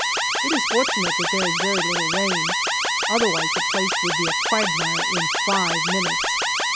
It is fortunate that there is very little rain, otherwise the place would be a quagmire in five minutes.